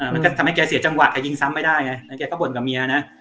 มันก็ทำให้แกเสียจังหวะแกยิงซ้ำไม่ได้ไงแล้วแกก็บ่นกับเมียนะ